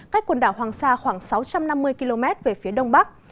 cách quần đảo hoàng sa khoảng sáu trăm năm mươi km về phía đông bắc